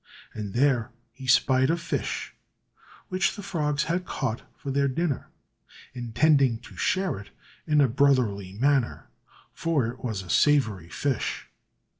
And there he spied a fish, which the frogs had caught for their dinner, intending to share it in a brotherly manner, for it was a savoury fish.